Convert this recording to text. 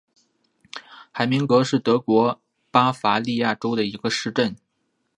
海明格是德国巴伐利亚州的一个市镇。